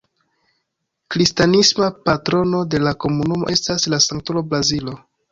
Kristanisma patrono de la komunumo estas la sanktulo Blazio.